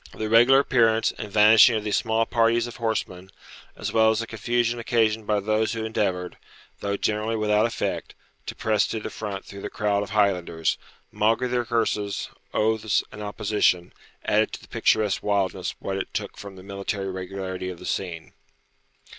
The irregular appearance and vanishing of these small parties of horsemen, as well as the confusion occasioned by those who endeavoured, though generally without effect, to press to the front through the crowd of Highlanders, maugre their curses, oaths, and opposition, added to the picturesque wildness what it took from the military regularity of the scene.